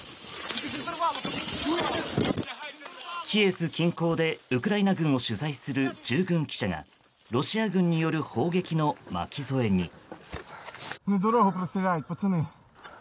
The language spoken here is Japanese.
キエフ近郊でウクライナ軍を取材する従軍記者がロシア軍による砲撃の巻き添えに。